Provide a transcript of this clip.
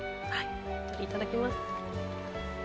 鶏いただきます。